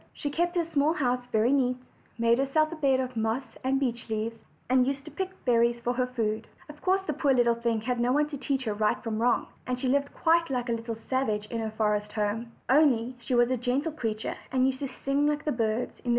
She kept her small house very neat, made herself a bed of moss and beech leaves, and used to pick berries for her food. Of course the poor little thing had no one to teach her right from wrong, and she lived quite like a little savage in her forest home; only she was a gentle creature, and used to ging like the birds in the.